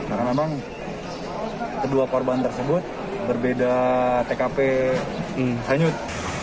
sekarang memang kedua korban tersebut berbeda tkp sanyut